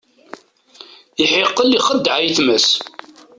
Iḥiqel ixeddeɛ ayetma-s.